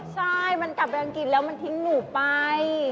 ใช่มันกลับไปอังกฤษแล้วมันทิ้งหนูไป